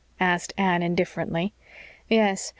asked Anne indifferently. "Yes.